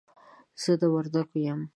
زه د وردګو يم.